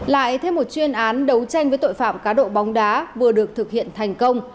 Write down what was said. lại thêm một chuyên án đấu tranh với tội phạm cá độ bóng đá vừa được thực hiện thành công